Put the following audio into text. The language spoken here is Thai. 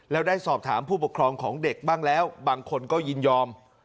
แล้วได้สอบถามผู้ปกครองของเด็กบ้างแล้วบางคนก็ยินยอม